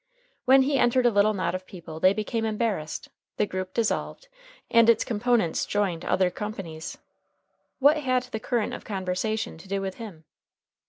When he entered a little knot of people they became embarrassed, the group dissolved, and its component parts joined other companies. What had the current of conversation to do with him?